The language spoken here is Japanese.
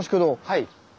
はい。